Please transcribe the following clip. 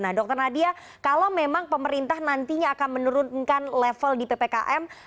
nah dr nadia kalau memang pemerintah nantinya akan menurunkan level di ppkm